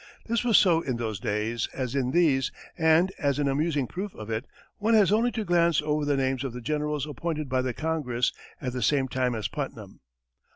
This was so in those days as in these, and, as an amusing proof of it, one has only to glance over the names of the generals appointed by the Congress at the same time as Putnam.